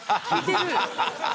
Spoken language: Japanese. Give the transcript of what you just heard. ハハハハ！